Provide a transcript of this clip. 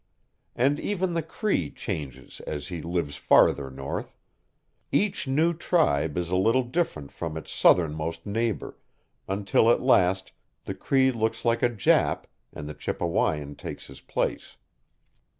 And even the Cree changes as he lives farther north; each new tribe is a little different from its southernmost neighbor, until at last the Cree looks like a Jap, and the Chippewyan takes his place.